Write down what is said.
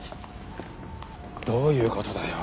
どういう事だよ